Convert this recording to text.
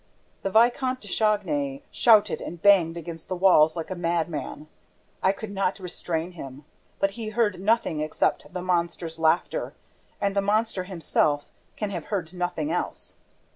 The Vicomte de Chagny shouted and banged against the walls like a madman. I could not restrain him. But we heard nothing except the monster's laughter, and the monster himself can have heard nothing else.